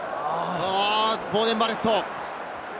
ボーデン・バレット。